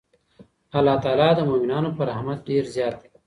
الله تعالی د مؤمنانو په رحمت ډېر زیات دی.